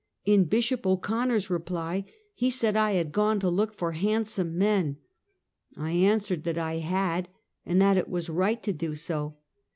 In Bishop O'Conner's reply, he said I had gone to look for handsome men. I answered that 1 had, and that it was right to do so.